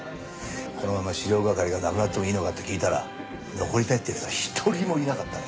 「このまま資料係がなくなってもいいのか？」って聞いたら残りたいって奴は一人もいなかったね。